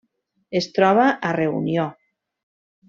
Es troba a Reunió.